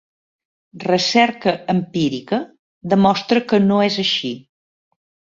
Recerca empírica demostra que no es així.